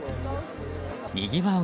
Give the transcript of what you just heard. にぎわう